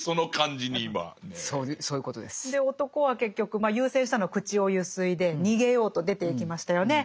で男は結局優先したのは口をゆすいで逃げようと出ていきましたよね。